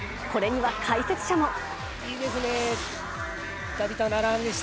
これには解説者も。